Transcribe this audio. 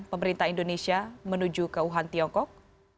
pemerintah indonesia menuju ke wuhan tiongkok